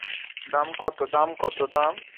দাম কত?